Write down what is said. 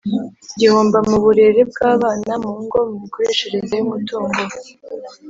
gihomba mu burere bw’abana mu ngo, mu mikoreshereze y’umutungo